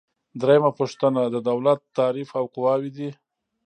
دریمه پوښتنه د دولت تعریف او قواوې دي.